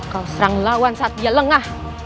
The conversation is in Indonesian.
kau serang lawan saat dia lengah